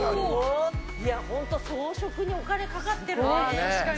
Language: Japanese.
いや本当装飾にお金かかって確かに。